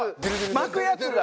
巻くやつだ。